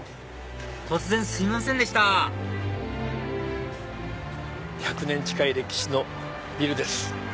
突然すいませんでした１００年近い歴史のビルです。